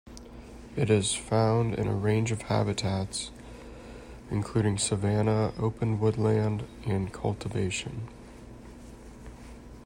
It is found in a range of habitats including savanna, open woodland, and cultivation.